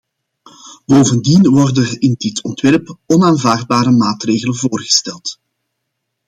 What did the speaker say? Bovendien worden er in dit ontwerp onaanvaardbare maatregelen voorgesteld.